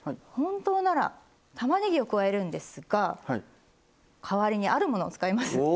本当ならたまねぎを加えるんですが代わりにあるものを使います。